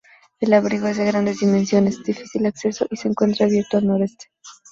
El abrigo es de grandes dimensiones, difícil acceso y se encuentra abierto al noroeste.